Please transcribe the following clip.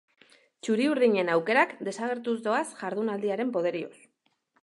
Txuri-urdinen aukerak desagertuz doaz jardunaldien poderioz.